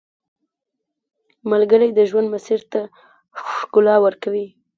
ملګری د ژوند مسیر ته ښکلا ورکوي